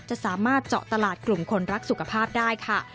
จะสามารถเจาะตลาดกลุ่มคนรักสุขภาพได้ค่ะ